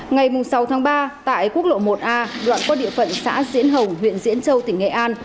ngày sáu tháng ba tại quốc lộ một a đoạn qua địa phận xã diễn hồng huyện diễn châu tỉnh nghệ an